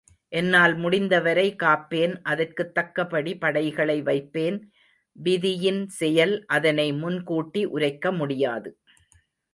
என்னால் முடிந்தவரை காப்பேன் அதற்குத் தக்கபடி படைகளை வைப்பேன் விதியின் செயல் அதனை முன்கூட்டி உரைக்க முடியாது.